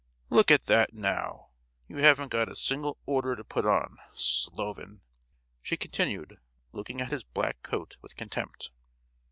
"Look at that, now! You haven't got a single 'order' to put on—sloven!" she continued, looking at his black coat with contempt.